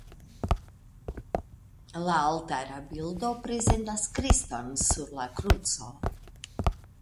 La altara bildo prezentas Kriston sur la kruco.